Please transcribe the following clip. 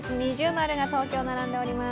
◎が東京、並んでおります。